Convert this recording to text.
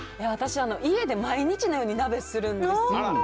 私、家で毎日のように鍋するんですよ。